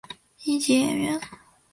一级演员。